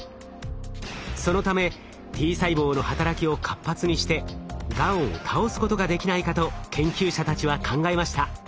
そのためＴ細胞の働きを活発にしてがんを倒すことができないかと研究者たちは考えました。